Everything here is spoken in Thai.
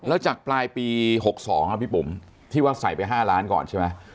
แล้วจากปลายปี๖๒พี่ปุ๋มที่ว่าใส่ไป๕ล้านก่อนใช่ไหม